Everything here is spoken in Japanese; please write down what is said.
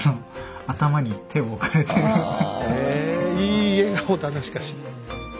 いい笑顔だなしかし。